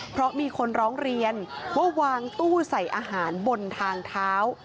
เพราะมีคนร้องเรียนว่าวางตู้ใส่อาหารบนทางเท้า